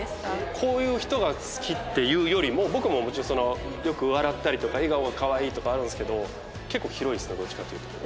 こういう人が好きっていうよりも僕ももちろんよく笑ったりとか笑顔がかわいいとかあるんですけど結構広いですね